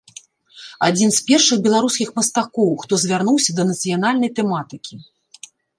Адзін з першых беларускіх мастакоў, хто звярнуўся да нацыянальнай тэматыкі.